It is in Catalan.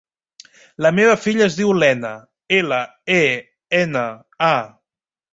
La meva filla es diu Lena: ela, e, ena, a.